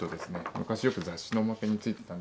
昔よく雑誌のおまけに付いてたんですけど。